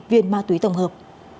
một mươi hai viên ma túy tổng hợp